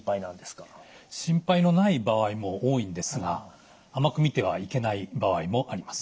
心配のない場合も多いんですが甘く見てはいけない場合もあります。